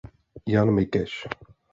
Jan Mikeš.